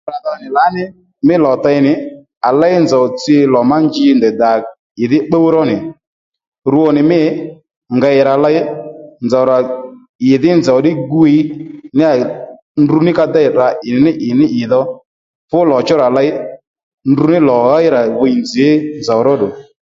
Yǎdha nì lǎní mí lò tey nì à léy nzòw tsi lò má nji ndèydà ì dhí bbúy ró nì rwo nì mî ngèy rà ley nzòw rà ì dhí nzòw ddí gwiy ní yà ndrú ní ka déy tdrǎ ì ní ní ì ní ní ì dhò fú lò chú rà leyndru ní lò ɦéy rà viy nzǐ màdhí nzòw ró ddù